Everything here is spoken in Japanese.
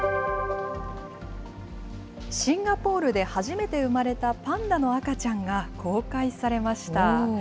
シンガポールで初めて生まれたパンダの赤ちゃんが公開されました。